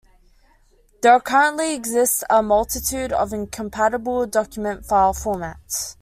There currently exists a multitude of incompatible document file formats.